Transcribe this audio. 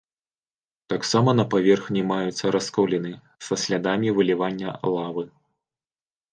Таксама на паверхні маюцца расколіны, са слядамі вылівання лавы.